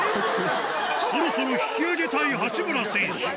そろそろ引き上げたい八村選手。